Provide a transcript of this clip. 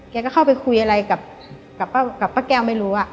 แกก็เข้าไปคุยอะไรกับป้าแก้วไม่รู้